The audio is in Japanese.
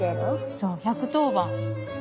そう１１０ばん。